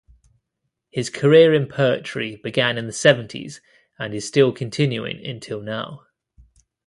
His career in poetry began in the seventies and is still continuing until now.